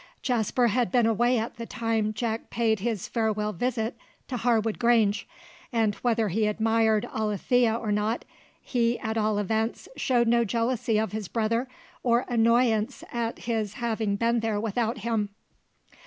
Jasper had been away at the time Jack paid his farewell visit to Harwood Grange, and whether he admired Alethea or not, he at all events showed no jealousy of his brother, or annoyance at his having been there without him.